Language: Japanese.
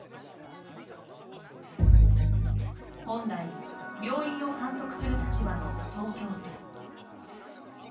本来、病院を監督する立場の東京都。